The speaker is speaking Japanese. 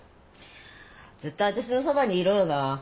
ずっと私のそばにいろよな。